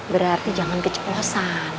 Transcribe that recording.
berarti jangan keceplosan